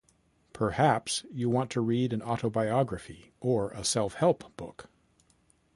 Perhaps you want to read an autobiography or a self-help book.